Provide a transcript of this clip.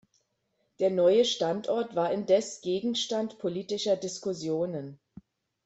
Der neue Standort war indes Gegenstand politischer Diskussionen.